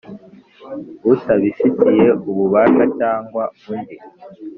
utabifitiye ububasha cyangwa undi